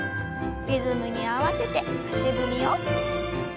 リズムに合わせて足踏みを。